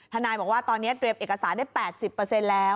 นายบอกว่าตอนนี้เตรียมเอกสารได้๘๐แล้ว